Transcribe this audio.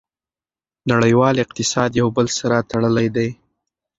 نړیوال اقتصاد یو بل سره تړلی دی.